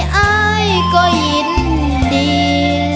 ได้อ้ายก็ยินดี